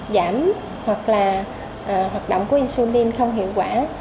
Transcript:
giảm hoặc là hoạt động của insumin không hiệu quả